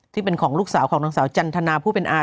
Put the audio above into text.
ที่เป็นของลูกสาวของนางสาวจันทนาผู้เป็นอาย